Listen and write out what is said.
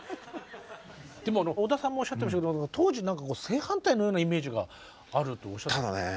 でも小田さんもおっしゃってましたけど当時なんか正反対のようなイメージがあるとおっしゃってましたね。